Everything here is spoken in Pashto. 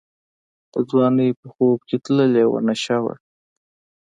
د ځوانۍ په خوب کي تللې وه نشه وه